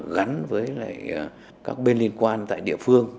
gắn với các bên liên quan tại địa phương